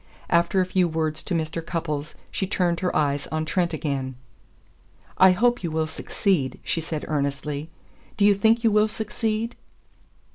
After a few words to Mr. Cupples she turned her eyes on Trent again. "I hope you will succeed," she said earnestly. "Do you think you will succeed?"